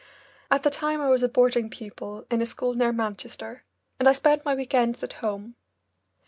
At the time I was a boarding pupil in a school near Manchester, and I spent my week ends at home.